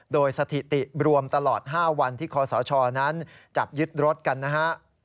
โดยสถิติรวมตลอด๕วันที่คอสชนั้นจับยึดรถกันนะฮะ